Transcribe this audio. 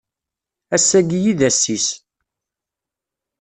Ass-agi i d ass-is.